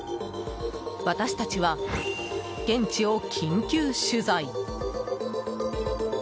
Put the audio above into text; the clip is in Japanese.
私たちは現地を緊急取材。